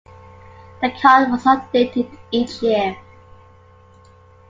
The card was updated each year.